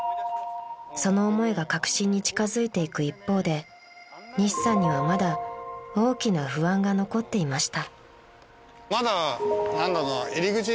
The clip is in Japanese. ［その思いが確信に近づいていく一方で西さんにはまだ大きな不安が残っていました］